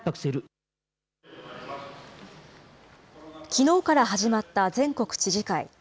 きのうから始まった全国知事会。